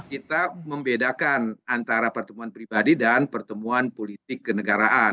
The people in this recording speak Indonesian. kita membedakan antara pertemuan pribadi dan pertemuan politik kenegaraan